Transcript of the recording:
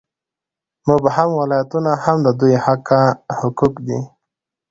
مبهم ولایتونه هم د دوی حقه حقوق دي.